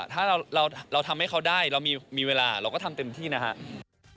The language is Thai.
ถ้าเราทำให้เขาได้เรามีเวลาเราก็ทำเต็มที่นะครับ